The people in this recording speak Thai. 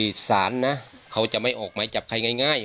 ไอไอศาล่ะเขาจะไม่ออกไหมจับใครง่าย